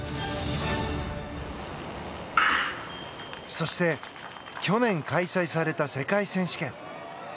そして去年、開催された世界選手権。